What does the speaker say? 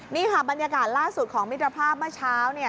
นี่ค่ะบรรยากาศล่าสุดของมิตรภาพเมื่อเช้า